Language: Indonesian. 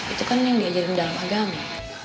itu kan yang diajarin dalam agama